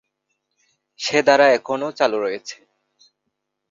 সে ধারা এখনও চালু রয়েছে।